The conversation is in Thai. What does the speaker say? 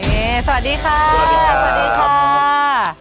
สวัสดีครับ